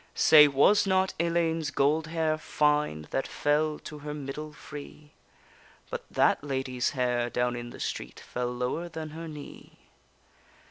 Say, was not Ellayne's gold hair fine, That fell to her middle free? But that lady's hair down in the street, Fell lower than her knee.